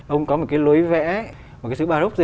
ông có một cái lối vẽ một cái thứ baroque